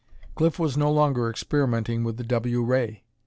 Cliff was no longer experimenting with the W ray!